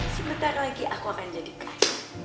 sebentar lagi aku akan jadikan